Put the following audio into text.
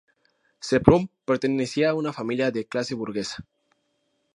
Semprún pertenecía a una familia de clase burguesa.